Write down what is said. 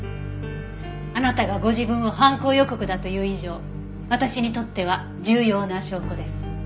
あなたがご自分を犯行予告だと言う以上私にとっては重要な証拠です。